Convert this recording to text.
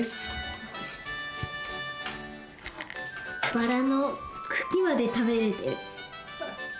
バラのくきまでたべれてる。